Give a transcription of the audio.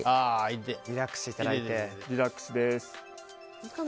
リラックスです。